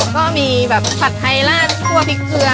ก็มีผัดไทยรหัสกลั้วพริกเกลือ